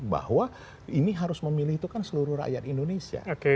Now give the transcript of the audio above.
bahwa ini harus memilih itu kan seluruh rakyat indonesia